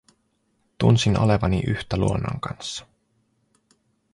Tunsin olevani yhtä luonnon kanssa.